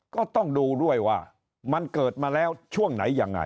ก็ต้องดูด้วยว่ามันเกิดมาแล้วช่วงไหนยังไง